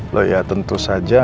loh ya tentu saja